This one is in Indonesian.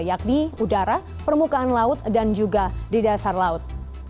yakni udara permukaan laut dan juga di dasar laut